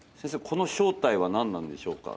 この正体は何なんでしょうか